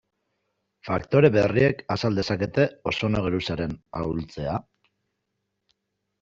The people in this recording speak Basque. Faktore berriek azal dezakete ozono geruzaren ahultzea?